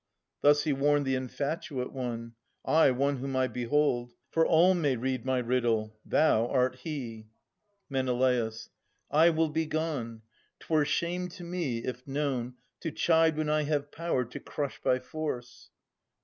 Thus he warned The infatuate one : ay, one whom I behold ; For all may read my riddle — thou art he. Men. I will be gone. 'Twere shame to me, if known, To chide when I have power to crush by force.